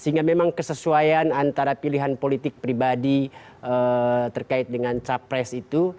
sehingga memang kesesuaian antara pilihan politik pribadi terkait dengan capres itu